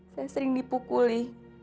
saya sering dipukuli